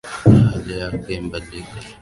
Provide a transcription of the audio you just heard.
Hali yake imebadilika.